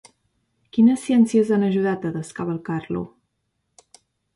Quines ciències han ajudat a descavalcar-lo?